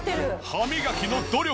歯磨きの努力